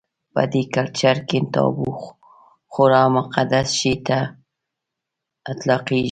په دې کلچر کې تابو خورا مقدس شي ته اطلاقېږي.